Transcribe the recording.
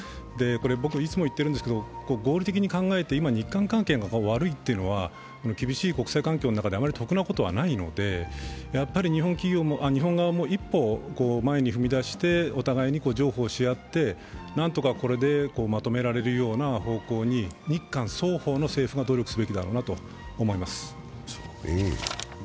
いつも言っているんですけど合理的に考えて今、日韓関係が悪いというのは厳しい国際環境の中であまり得なことはないので日本側も一歩前に踏み出してお互いに譲歩し合って何とかこれでまとめられるような方向に日韓双方の政府が努力すべきだろうなと思います。